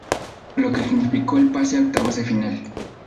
Lo que significó el pase a octavos de final.